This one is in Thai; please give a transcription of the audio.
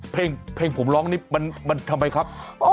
เพลงผมร้องนี่มันทำไมครับ